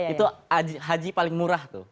itu haji paling murah tuh